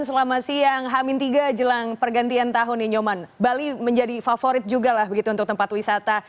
selamat siang hamin tiga jelang pergantian tahun ya nyoman bali menjadi favorit juga lah begitu untuk tempat wisata